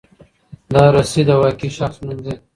دارسي د واقعي شخص نوم و.